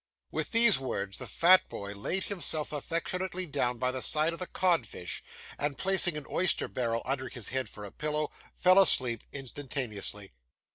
With these words, the fat boy laid himself affectionately down by the side of the cod fish, and, placing an oyster barrel under his head for a pillow, fell asleep instantaneously.